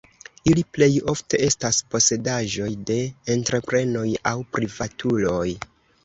Ili plej ofte estas posedaĵoj de entreprenoj aŭ privatuloj.